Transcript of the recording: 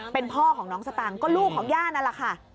เป็นพ่อของน้องสตางค์ก็ลูกของย่านั่นแหละค่ะ